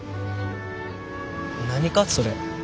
何かそれ。